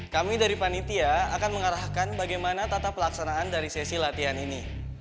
kami dari panitia akan mengarahkan bagaimana tata pelaksanaan dari sesi latihan ini